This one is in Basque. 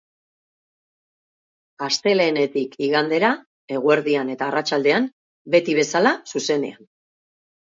Astelehenetik igandera, eguerdian eta arratsaldean, beti bezala, zuzenean.